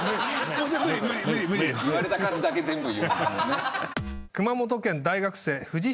言われた数だけ全部言う。